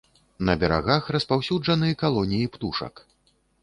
На берагах распаўсюджаны калоніі птушак.